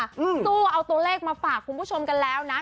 สู้เอาตัวเลขมาฝากคุณผู้ชมกันแล้วนะ